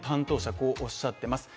こうおっしゃってます。